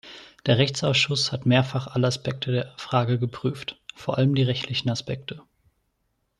Der Rechtsausschuss hat mehrfach alle Aspekte der Frage geprüft, vor allem die rechtlichen Aspekte.